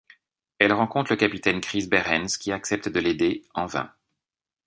Elle rencontre le capitaine Chris Behrens qui accepte de l'aider, en vain.